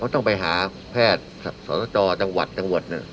ก็ต้องไปหาแพทย์สวทชจังหวัดจังหวัดเนี่ย